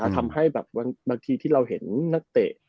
ทำให้แบบบางทีที่เราเห็นนักเตะ